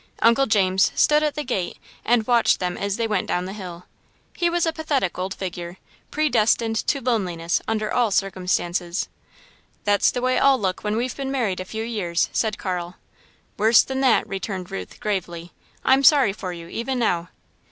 Uncle James stood at the gate and watched them as they went down hill. He was a pathetic old figure, predestined to loneliness under all circumstances. "That's the way I'll look when we've been married a few years," said Carl. "Worse than that," returned Ruth, gravely. "I'm sorry for you, even now."